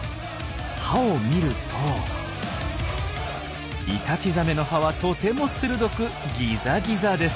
歯を見るとイタチザメの歯はとても鋭くギザギザです。